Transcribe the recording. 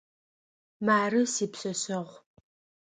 Мары сипшъэшъэгъу.